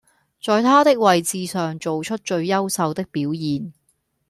在他的位置上做出最優秀的表現